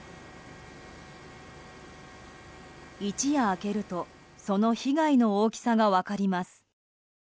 一夜明けるとその被害の大きさが分かります。